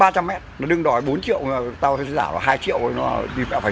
nhằm che đi những công trình xây dựng trái phép